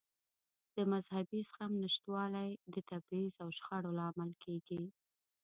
د مذهبي زغم نشتوالی د تبعیض او شخړو لامل کېږي.